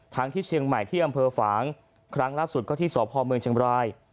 ที่เชียงใหม่ที่อำเภอฝางครั้งล่าสุดก็ที่สพเมืองเชียงบราย